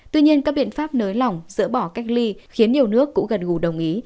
tuy nhiên các biện pháp nới lỏng dỡ bỏ cách ly khiến nhiều nước cũng gần gù đồng ý